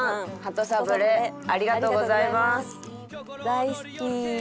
大好き！